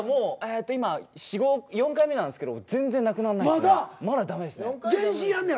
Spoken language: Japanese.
今４回目なんですけど全然なくなんないっすね。